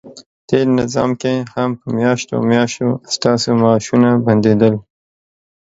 تېر نظام کې هم په میاشتو میاشتو ستاسو معاشونه بندیدل،